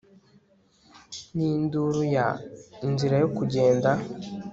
Ninduru ya Inzira yo kugenda